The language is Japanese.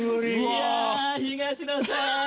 いや東野さん。